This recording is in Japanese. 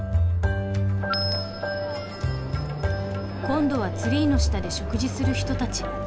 今度はツリーの下で食事する人たち。